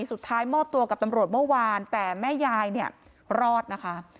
มอบตัวกับตำรวจเมื่อวานแต่แม่ยายเนี่ยรอดนะคะ